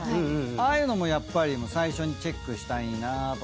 ああいうのもやっぱり最初にチェックしたいなとか。